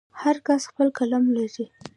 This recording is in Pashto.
هر کس خپل قلم لري.